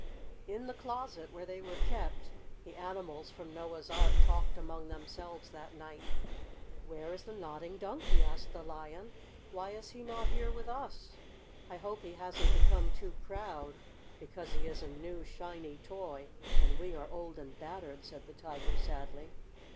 In the closet, where they were kept, the animals from Noah's Ark talked among themselves that night. "Where is the Nodding Donkey?" asked the Lion. "Why is he not here with us?" "I hope he hasn't become too proud, because he is a new, shiny toy and we are old and battered," said the Tiger sadly.